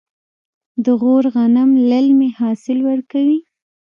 د غور غنم للمي حاصل ورکوي.